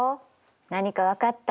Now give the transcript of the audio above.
何か分かった？